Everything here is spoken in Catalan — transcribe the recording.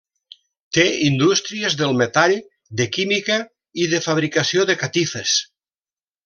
Té indústries del metall, de química i de fabricació de catifes.